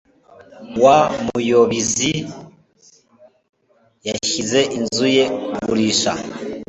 Wa muyobizi yashyize inzu ye kugurisha.